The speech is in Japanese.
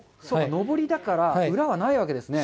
のぼりだから裏はないわけですね。